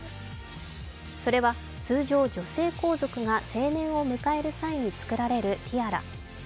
それは通常、女性皇族が成年を迎える際に作られるティアラ。